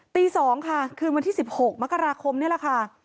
ตี๒ค่ะคืนวันที่๑๖มกราคมนี่แหละค่ะ